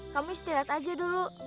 kamu istirahat aja dulu